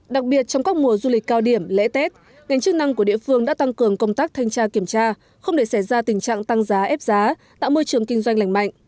đặc biệt trong các mùa du lịch cao điểm lễ tết ngành chức năng của địa phương đã tăng cường công tác thanh tra kiểm tra không để xảy ra tình trạng tăng giá ép giá tạo môi trường kinh doanh lành mạnh